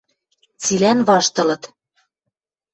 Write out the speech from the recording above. Цилӓн ваштылыт.